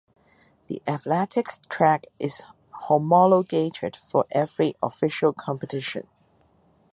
The athletics track is homologated for every official competition.